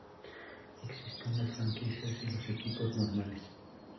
Existen las franquicias y los equipos normales.